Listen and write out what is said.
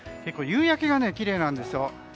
夕焼けがきれいなんですよ。